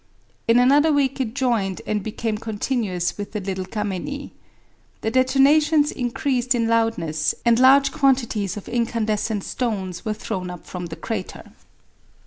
In another week it joined and became continuous with the Little Cammeni. The detonations increased in loudness, and large quantities of incandescent stones were thrown up from the crater.